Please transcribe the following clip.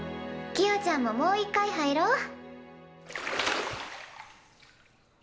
キヨちゃんももう一回入ろ。